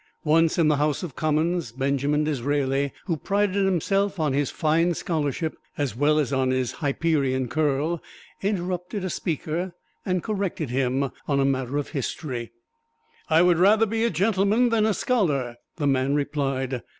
Once in the House of Commons, Benjamin Disraeli, who prided himself on his fine scholarship as well as on his Hyperion curl, interrupted a speaker and corrected him on a matter of history. "I would rather be a gentleman than a scholar!" the man replied.